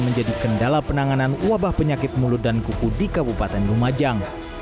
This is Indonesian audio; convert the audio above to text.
menjadi kendala penanganan wabah penyakit mulut dan kuku di kabupaten lumajang